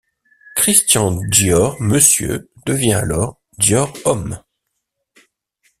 Christian Dior Monsieur devient alors Dior Homme.